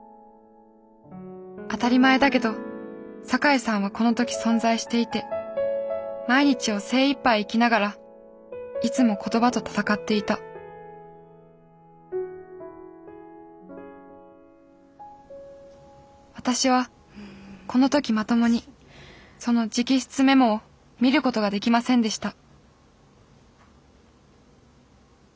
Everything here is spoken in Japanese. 当たり前だけど坂井さんはこの時存在していて毎日を精いっぱい生きながらいつも言葉と戦っていた私はこの時まともにその直筆メモを見ることができませんでした